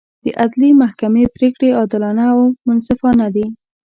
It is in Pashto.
د عدلي محکمې پرېکړې عادلانه او منصفانه دي.